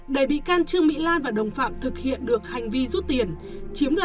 để bị can trương mỹ lan và đồng phạm thực hiện được hành vi dụng khách hàng vay vốn